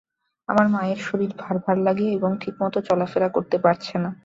আমার মায়ের শরীর ভার ভার লাগে এবং ঠিকমত চলাফেরা করতে পারছে না।